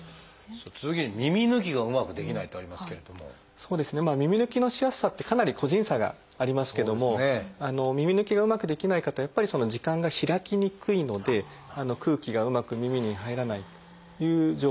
そうですね耳抜きのしやすさってかなり個人差がありますけども耳抜きがうまくできない方はやっぱり耳管が開きにくいので空気がうまく耳に入らないという状況ですね。